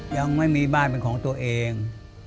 ยังไม่มีบ้านเป็นของตัวเอง